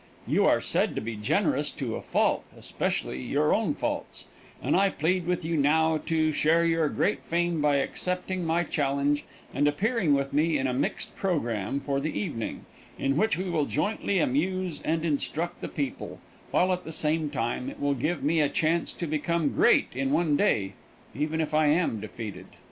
You are said to be generous to a fault, especially your own faults, and I plead with you now to share your great fame by accepting my challenge and appearing with me in a mixed programme for the evening, in which we will jointly amuse and instruct the people, while at the same time it will give me a chance to become great in one day, even if I am defeated.